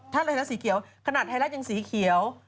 ถ้าอะไรนะสีเขียวขนาดไทยรัฐยังสีเขียว